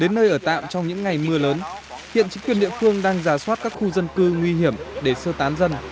nơi ở tạm trong những ngày mưa lớn hiện chính quyền địa phương đang giả soát các khu dân cư nguy hiểm để sơ tán dân